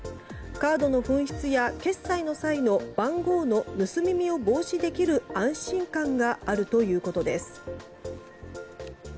カードの紛失や決済の際の番号の盗み見を防止できる安心感があるということです。